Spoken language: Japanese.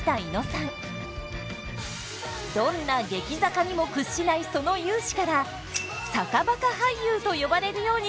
どんな激坂にも屈しないその雄姿から坂バカ俳優と呼ばれるようになりました。